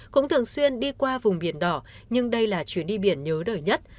cũng thường xuyên đi qua vùng biển đỏ nhưng đây là chuyến đi biển nhớ đời nhất